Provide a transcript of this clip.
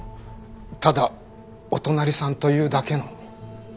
ただお隣さんというだけの。